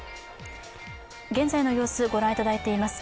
現在の様子、ご覧いただいています